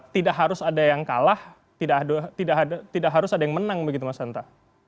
tidak harus ada yang kalah tidak harus ada yang menang begitu mas hanta